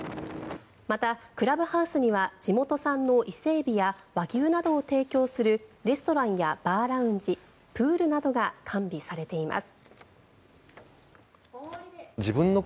また、クラブハウスには地元産の伊勢エビや和牛などを提供するレストランやバーラウンジプールなどが完備されています。